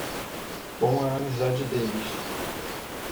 Com a amizade deles